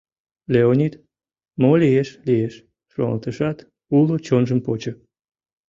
Леонид «Мо лиеш — лиеш» шоналтышат, уло чонжым почо: